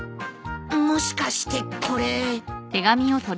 もしかしてこれ。